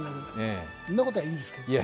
そんなこたあいいですけど。